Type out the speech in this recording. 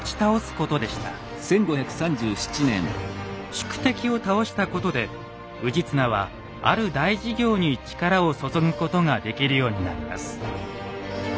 宿敵を倒したことで氏綱はある大事業に力を注ぐことができるようになります。